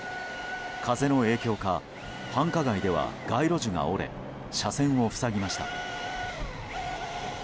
風の影響か繁華街では街路樹が折れ車線を塞ぎました。